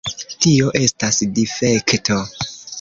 Tio estas difekto.